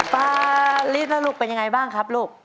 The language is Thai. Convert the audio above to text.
ปารีสแล้วลูกเป็นยังไงบ้างครับลูก